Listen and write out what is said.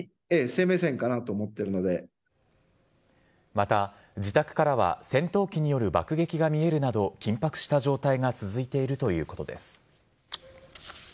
また、自宅からは戦闘機による爆撃が見えるなど緊迫した状態が続いているということです。